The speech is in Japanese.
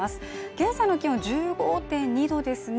今朝の気温１５．２度ですね